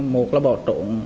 một là bỏ trộn